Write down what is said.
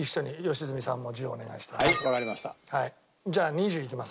じゃあ２０いきますね。